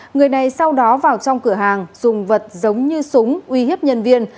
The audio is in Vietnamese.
người này sau đó vào trong cửa hàng dùng vật giống như súng uy hiếp nhân viên